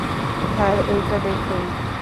Sir, এইটা দেখুন।